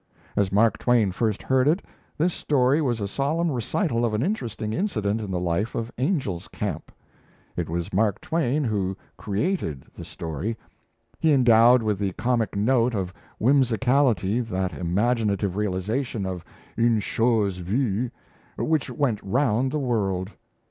As Mark Twain first heard it, this story was a solemn recital of an interesting incident in the life of Angel's Camp. It was Mark Twain who "created" the story: he endowed with the comic note of whimsicality that imaginative realization of une chose vue, which went round the world.